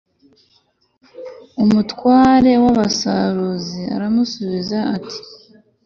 umutware w'abasaruzi aramusubiza ati